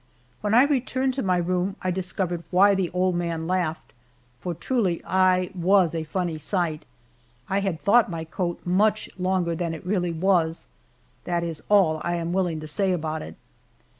When I returned to my room I discovered why the old man laughed, for truly I was a funny sight. I had thought my coat much longer than it really was that is all I am willing to say about it.